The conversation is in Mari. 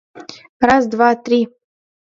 Раз, два, три!